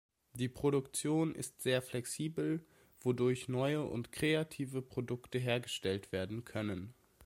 Die Produktion ist sehr flexibel, wodurch neue und kreative Produkte hergestellt werden können.